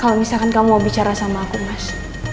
kalau misalkan kamu mau bicara sama aku mas